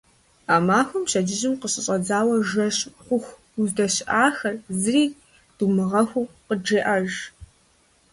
А махуэм пщэдджыжьым къыщыщӏэдзауэ жэщ хъуху уздэщыӏахэр, зыри думыгъэхуу, къыджеӏэж.